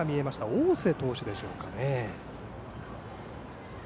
大瀬投手でしょうか。